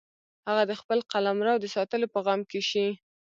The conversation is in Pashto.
هغه د خپل قلمرو د ساتلو په غم کې شي.